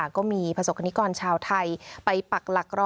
ก็มีประสบกรณิกรชาวไทยไปปักหลักรอ